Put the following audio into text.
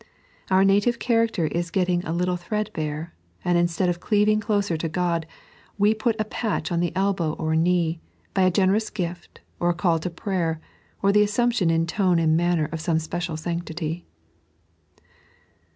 Our native character is getting a little threadbare, and instead of cleaving closer to Qod, we put a patch on the elbow or knee, by a generous gift, or a call to prayer, or the assumption in tone and manner of special sanctity.